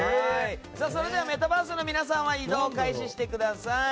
メタバースの皆さんは移動を開始してください。